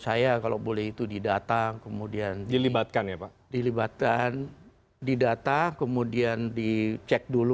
saya kalau boleh itu didatang kemudian dilibatkan ya pak dilibatkan didata kemudian dicek dulu